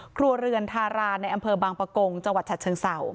ครัวเรือนทาราในอำเภอบางประกงจังหวัดฉัดเชิงเศร้า